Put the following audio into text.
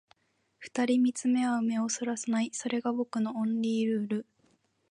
二人見つめ合う目を逸らさない、それが僕のオンリールール